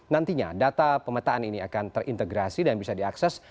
nantinya data pemetaan ini akan terintegrasi dan bisa diakses